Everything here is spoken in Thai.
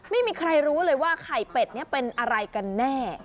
ไม่มีใครรู้เลยว่าไข่เป็ดนี้เป็นอะไรกันแน่